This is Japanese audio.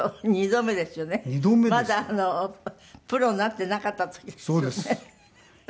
まだプロになっていなかった時ですよね。